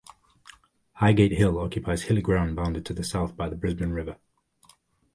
Highgate Hill occupies hilly ground bounded to the south by the Brisbane River.